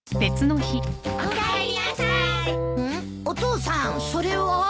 お父さんそれは？